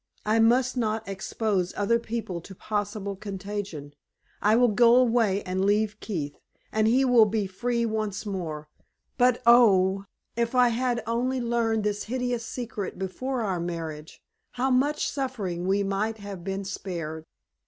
"I must not expose other people to possible contagion. I will go away and leave Keith, and he will be free once more. But, oh, if I had only learned this hideous secret before our marriage, how much suffering we might have been spared!"